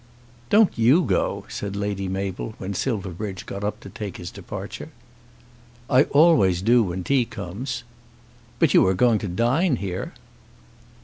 "Don't you go," said Lady Mabel, when Silverbridge got up to take his departure. "I always do when tea comes." "But you are going to dine here?"